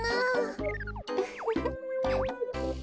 ウッフフ。